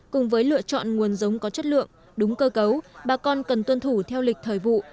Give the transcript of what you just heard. cùng với lựa chọn nguồn giống có chất lượng đúng cơ cấu bà con cần tuân thủ theo lịch thời vụ